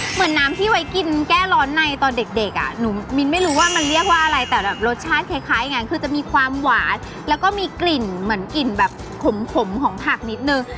เหมือนน้ำที่ไว้กินแก้ร้อนในตอนเด็กอ่ะหนูมินไม่รู้ว่ามันเรียกว่าอะไรแต่แบบรสชาติคล้ายไงคือจะมีความหวานแล้วก็มีกลิ่นเหมือนกลิ่นแบบขมของผักนิดนึง